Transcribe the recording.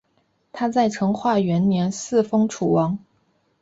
他在成化元年嗣封楚王。